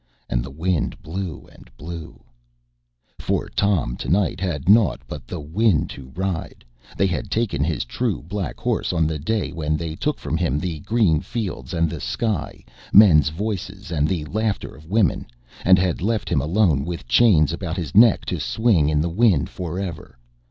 And the wind blew and blew. For Tom tonight had nought but the wind to ride; they had taken his true black horse on the day when they took from him the green fields and the sky, men's voices and the laughter of women, and had left him alone with chains about his neck to swing in the wind for ever.